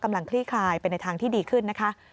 คลี่คลายไปในทางที่ดีขึ้นนะคะ